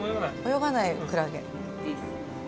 泳がないクラゲ。